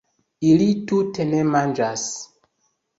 Ili tute ne manĝas